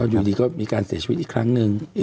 อยู่ดีก็มีการเสียชีวิตอีกครั้งหนึ่ง